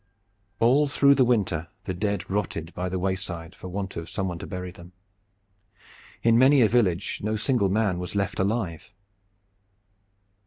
All through the winter the dead rotted by the wayside for want of some one to bury them. In many a village no single man was left alive.